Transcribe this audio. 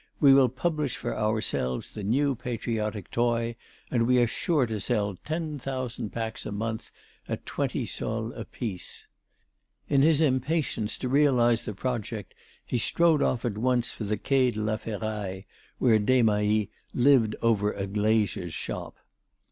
We will publish for ourselves the new patriotic toy and we are sure to sell ten thousand packs in a month, at twenty sols apiece." In his impatience to realize the project, he strode off at once for the Quai de la Ferraille, where Desmahis lived over a glazier's shop.